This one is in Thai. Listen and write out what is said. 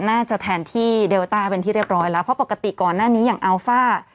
น่าจะแทนที่เดลต้าเป็นที่เรียบร้อยแล้วเพราะปกติก่อนหน้านี้อย่างอัลฟ่า